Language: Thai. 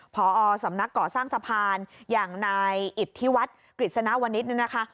พอสำนักก่อสร้างสะพานอย่างนายอิทธิวัฒน์กฤษณวนิษฐ์เนี่ยนะคะ